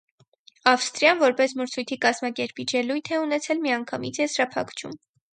Ավստրիան, որպես մրցույթի կազմակերպիչ, ելույթ է ունեցել միանգամից եզրափակչում։